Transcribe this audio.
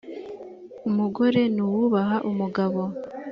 umugore nuwubaha umugabo.